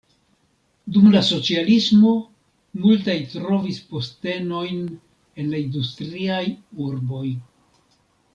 Dum la socialismo multaj trovis postenojn en la industriaj urboj.